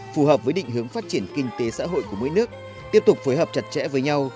phù hợp với định hướng phát triển kinh tế xã hội của mỗi nước tiếp tục phối hợp chặt chẽ với nhau